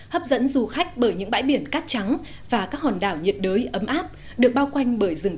hấp dẫn du khách bởi những bãi biển cát trắng và các hòn đảo nhiệt đới ấm áp được bao quanh bởi rừng